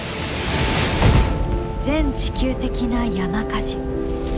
全地球的な山火事。